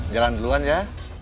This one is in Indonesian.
jalan duluan ya